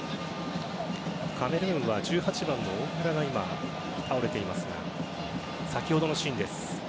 カメルーンは、１８番のオングラが倒れていますが先ほどのシーン。